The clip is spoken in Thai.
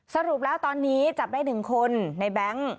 สรุปแล้วตอนนี้จับได้๑คนในแบงค์